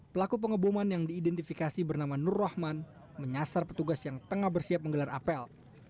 pelaku pengeboman yang diidentifikasi bernama nur rahman menyasar petugas yang tengah bersiap menggelar apel